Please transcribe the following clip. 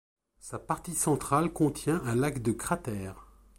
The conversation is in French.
Sa partie centrale contient un lac de cratère.